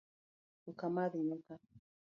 Ok amadh nyuka